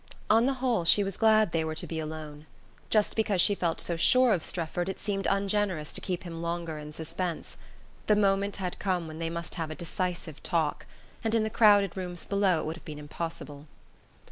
On the whole she was glad they were to be alone. Just because she felt so sure of Strefford it seemed ungenerous to keep him longer in suspense. The moment had come when they must have a decisive talk, and in the crowded rooms below it would have been impossible.